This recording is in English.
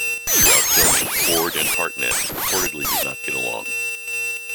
Throughout filming, Ford and Hartnett reportedly did not get along.